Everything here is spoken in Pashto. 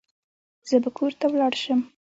زه بو کور ته لوړ شم.